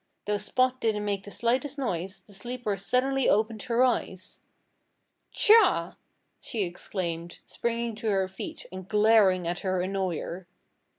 Though Spot didn't make the slightest noise the sleeper suddenly opened her eyes. "Tchah!" she exclaimed, springing to her feet and glaring at her annoyer.